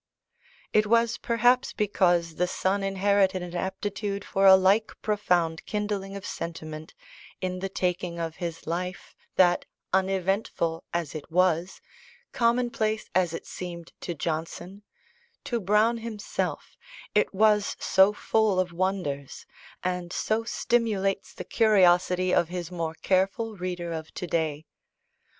It was perhaps because the son inherited an aptitude for a like profound kindling of sentiment in the taking of his life, that, uneventful as it was, commonplace as it seemed to Johnson, to Browne himself it was so full of wonders, and so stimulates the curiosity of his more careful reader of to day.